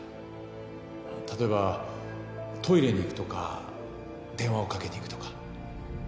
例えばトイレに行くとか電話をかけに行くとか。